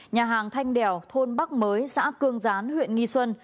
nhà hàng thanh đèo thôn bắc mới xã cương gián huyện nghi xuân